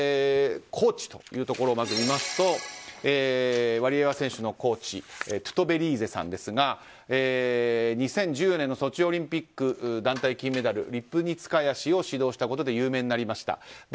コーチというところをまず見ますとワリエワ選手のコーチトゥトベリーゼさんですが２０１４年のソチオリンピック団体金メダルリプニツカヤ氏を指導したことで有名になりました。